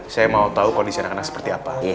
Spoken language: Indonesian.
saya mau tahu kondisi anak anak seperti apa